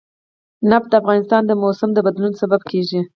نفت د افغانستان د موسم د بدلون سبب کېږي.